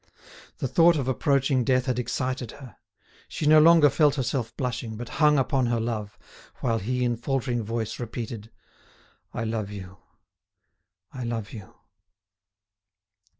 The thought of approaching death had excited her; she no longer felt herself blushing, but hung upon her love, while he in faltering voice repeated: "I love you! I love you!"